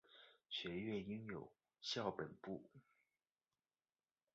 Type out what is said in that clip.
学院拥有校本部。